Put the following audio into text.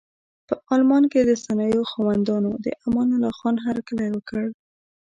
په المان کې د صنایعو خاوندانو د امان الله خان هرکلی وکړ.